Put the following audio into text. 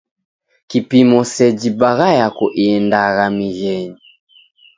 Kupimo seji bagha yako iendagha mighenyi.